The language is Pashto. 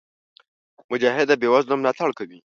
مجاهد د بېوزلو ملاتړ کوي.